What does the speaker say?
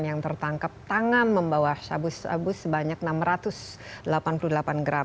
yang tertangkap tangan membawa sabu sabu sebanyak enam ratus delapan puluh delapan gram